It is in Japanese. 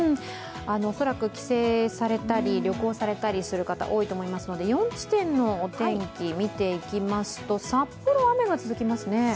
恐らく帰省されたり旅行されたりする方多いと思いますので４地点のお天気見ていきますと札幌、雨が続きますね。